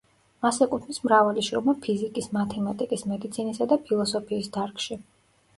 მას ეკუთვნის მრავალი შრომა ფიზიკის, მათემატიკის, მედიცინისა და ფილოსოფიის დარგში.